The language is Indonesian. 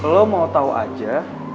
lo mau tau aja